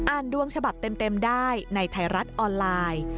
ดวงฉบับเต็มได้ในไทยรัฐออนไลน์